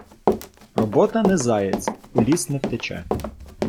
Робота не заяць, у ліс не втече.